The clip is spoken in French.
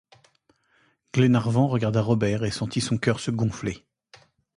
Glenarvan regarda Robert et sentit son cœur se gonfler.